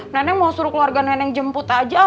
nenek mau suruh keluarga nenek jemput aja